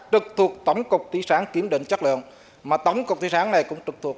trực thuộc tổng cục thị sản kiểm định chất lượng mà tổng cục thị sản này cũng trực thuộc